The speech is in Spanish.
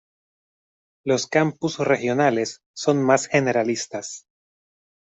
Los campus regionales son más generalistas.